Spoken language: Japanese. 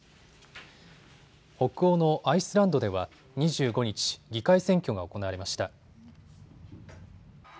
北欧のアイスランドでは２５日、議会選挙が行われました。